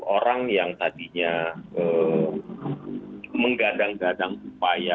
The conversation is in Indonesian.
orang yang tadinya menggadang gadang upaya